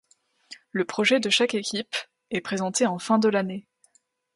Le projet de chaque équipe est présenté en fin de l'année.